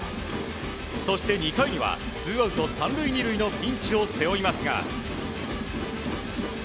そして、２回にはツーアウト３塁２塁のピンチを背負いますが。